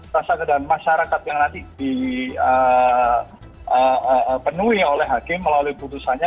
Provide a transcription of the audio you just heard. rasa kedalaman masyarakat yang nanti dipenuhi oleh hakim melalui putusannya